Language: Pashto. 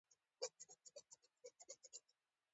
مرچک د افغاني پخلي لپاره ځانګړی خوند لري.